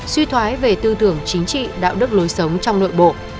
suy thoái về tư tưởng chính trị đạo đức lối sống trong nội bộ